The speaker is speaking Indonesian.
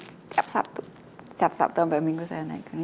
setiap sabtu sampai minggu saya naik gunung